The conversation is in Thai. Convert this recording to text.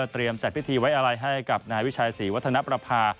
จัดพิธีไว้อะไรให้กับนายวิชัยศรีวัฒนประภา